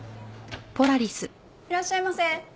いらっしゃいませ。